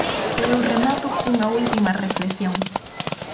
E eu remato cunha última reflexión.